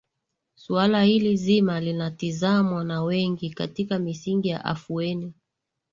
suala hili zima linatizamwa na wengi katika misingi ya afueni